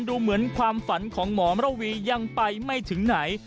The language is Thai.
ดูเหมือนความฝันของหมอมระวียังไปไม่ถึงไหน